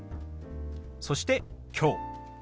そして「きょう」。